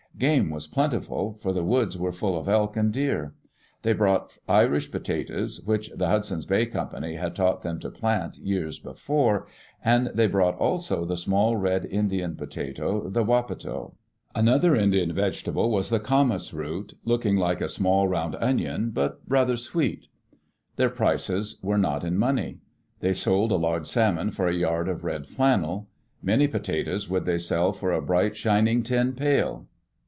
Game was plentiful, for the woods were full of elk and deer. They brought Irish potatoes, which the Hud son's Bay Company had taught them to plant years be fore; and they brought also the small red Indian potato, the wapeto. Another Indian vegetable was the camas root, looking like a small round onion, but rather sweet. Their prices were not in money. They sold a large salmon for a yard of red flannel; many potatoes would they sell for a bright, shining tin pail.